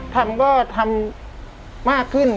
ทำก็ทำมากขึ้น